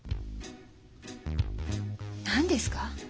何ですか？